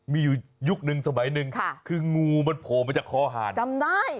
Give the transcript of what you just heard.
มีอยู่ยุคนึงสมัยหนึ่งคืองูมันโผล่มาจากคอหารจำได้